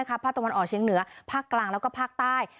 ภาคตะวันออกเชียงเหนือภาคกลางแล้วก็ภาคใต้